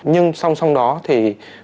nhưng song song đó thì